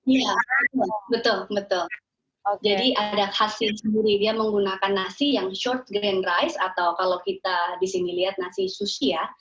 iya betul betul jadi ada khasnya sendiri dia menggunakan nasi yang short grand rice atau kalau kita disini lihat nasi sushi ya